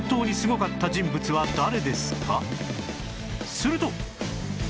すると